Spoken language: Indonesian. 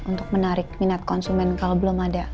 untuk menarik minat konsumen kalau belum ada